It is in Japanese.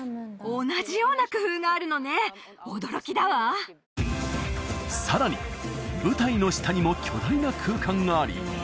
同じような工夫があるのね驚きだわさらに舞台の下にも巨大な空間があり